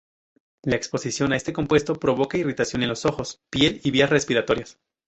La exposición a este compuesto provoca irritación en ojos, piel y vías respiratorias.